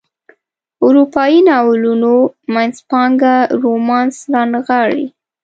اروپایي ناولونو منځپانګه رومانس رانغاړي.